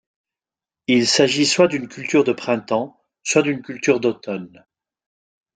Il s'agit soit d'une culture de printemps, soit d'une culture d'automne.